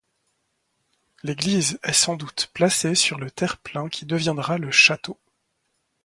L'église est sans doute placé sur le terre-plein qui deviendra le Château.